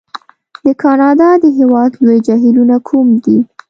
د کانادا د هېواد لوی جهیلونه کوم دي؟